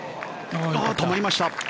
止まりました。